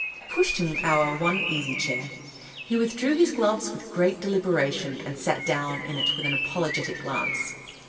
I pushed him our one easy chair. He withdrew his gloves with great deliberation, and sat down in it with an apologetic glance.